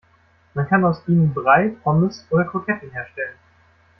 Man kann aus ihnen Brei, Pommes oder Kroketten herstellen.